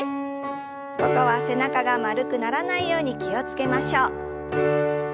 ここは背中が丸くならないように気を付けましょう。